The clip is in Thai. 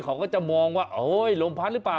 เขาก็จะมองว่าโอ๊ยลมพัดหรือเปล่า